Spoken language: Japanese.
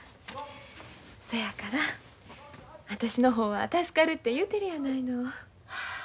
そやから私の方は助かるて言うてるやないの。